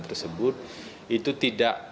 tersebut itu tidak